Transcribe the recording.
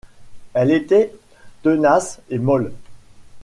Elle était tenace et molle.